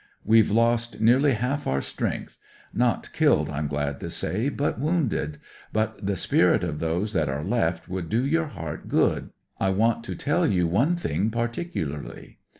We've lost nearly half our strength— not killed, I'm glad to say, but wounded— but the spirit of those that are left would do your heart good. I want to tell yuu one thing particularly.